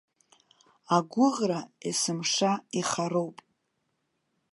Агәыӷра есымша ихароуп.